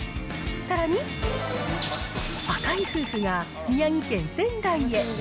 さらに、赤井夫婦が宮城県仙台へ。